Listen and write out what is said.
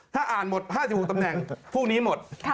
ถ้าอ่านหมด๕๖ตำแหน่งพรุ่งนี้หมด